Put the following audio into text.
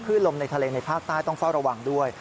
ลมในทะเลในภาคใต้ต้องเฝ้าระวังด้วย